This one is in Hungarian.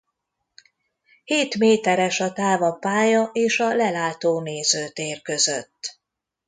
Hét méteres a táv a pálya és a lelátó nézőtér között.